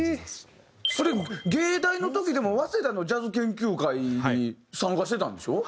それ藝大の時でも早稲田のジャズ研究会に参加してたんでしょ？